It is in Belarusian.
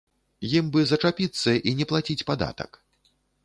Ім бы зачапіцца і не плаціць падатак.